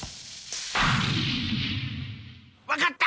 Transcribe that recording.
わかった！